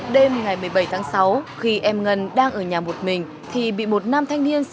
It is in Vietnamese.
đêm ngày một mươi bảy tháng sáu khi em ngân đang ở nhà một mình